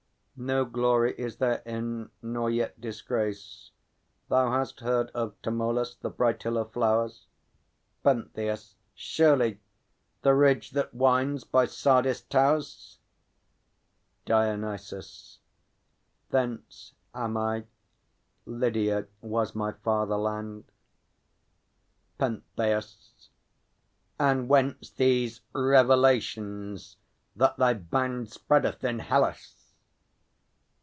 No glory is therein, nor yet disgrace. Thou hast heard of Tmolus, the bright hill of flowers? PENTHEUS. Surely; the ridge that winds by Sardis' towers DIONYSUS. Thence am I; Lydia was my fatherland. PENTHEUS. And whence these revelations, that thy band Spreadeth in Hellas?